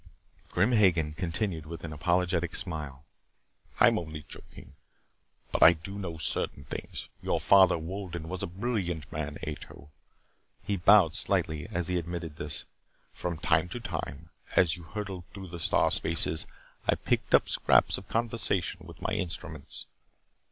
Grim Hagen continued with an apologetic smile. "I'm only joking. But I do know certain things. Your father, Wolden, is a brilliant man, Ato." He bowed slightly as he admitted this. "From time to time, as you hurtled through the star spaces, I picked up scraps of conversation with my instruments.